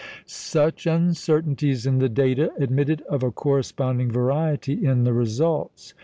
" Such uncertainties in the data admitted of a corresponding variety in the results.